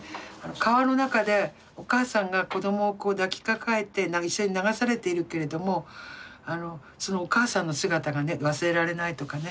川の中でお母さんが子どもを抱きかかえて一緒に流されているけれどもそのお母さんの姿が忘れられないとかね